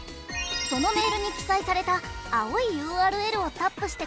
そのメールに記載された青いＵＲＬをタップしてください。